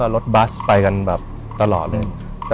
รถบัสไปกันตลอด